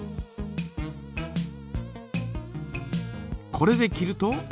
これで切ると？